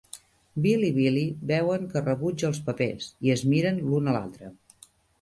Bill i Billie veuen que rebutja els papers, i es miren l'un a l'altre.